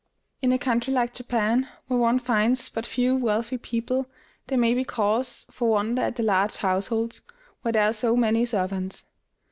In a country like Japan, where one finds but few wealthy people, there may be cause for wonder at the large households, where there are so many servants.